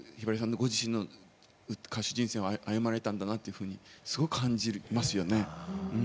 ご自身の歌手人生を歩まれたんだなっていうふうにすごく感じますよね。